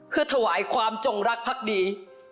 คือถวายความจงรักพักดี